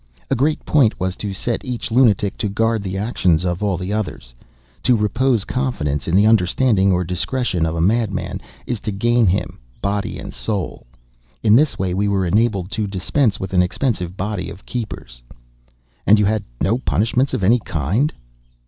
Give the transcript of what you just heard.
A great point was to set each lunatic to guard the actions of all the others. To repose confidence in the understanding or discretion of a madman, is to gain him body and soul. In this way we were enabled to dispense with an expensive body of keepers." "And you had no punishments of any kind?"